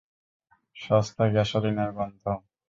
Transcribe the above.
সস্তা গ্যাসোলিনের গন্ধ।